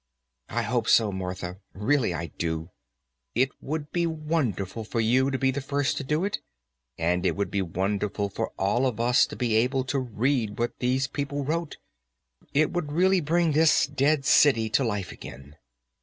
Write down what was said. "I hope so, Martha: really I do. It would be wonderful for you to be the first to do it, and it would be wonderful for all of us to be able to read what these people wrote. It would really bring this dead city to life again."